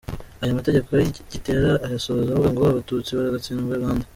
Aya mategeko Gitera ayasoza avuga ngo “Abatutsi baragatsindwa i Rwanda.